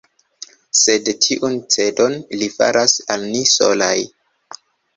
Sed tiun cedon li faras al ni solaj.